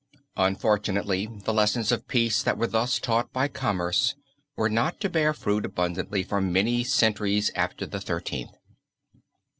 Unfortunately, the lessons of peace that were thus taught by commerce were not to bear fruit abundantly for many centuries after the Thirteenth.